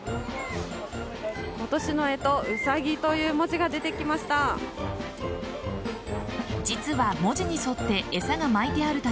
今年の干支卯という文字が出てきました。